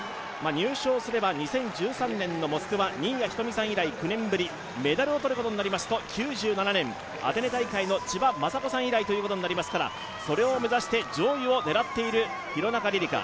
入賞すれば２０１３年のモスクワ、新谷仁美さん以来９年ぶり、メダルを取ることになりますと９７年、アテネ大会の千葉真子さん以来ということになりますからそれを目指して上位を狙っている廣中璃梨佳